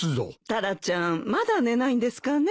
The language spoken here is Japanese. タラちゃんまだ寝ないんですかね。